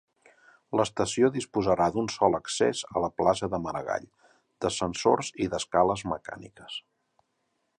L'estació disposarà d'un sol accés a la plaça de Maragall, d'ascensors i d'escales mecàniques.